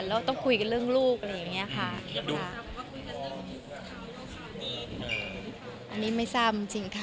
เราต้องคุยกันเรื่องลูกก็คือไงค่ะอันนี้ไม่ทราบจริงนะคะ